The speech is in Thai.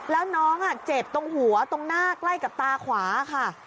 แล้วน้องเจ็บตรงหัวตรงหน้าใกล้กับตาขวาค่ะ